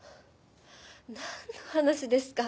なんの話ですか？